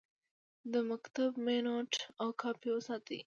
د مکتوب مینوټ او کاپي وساتئ.